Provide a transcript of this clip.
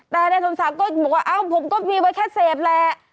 แต่นายสมศักดิ์ก็บอกว่าเอ้าผมก็มีไว้แค่เสพแหละ